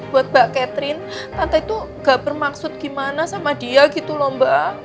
buat mbak catherine tante itu gak bermaksud gimana sama dia gitu loh mbak